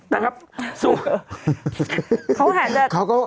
เพราะตอนนั้นเขาก็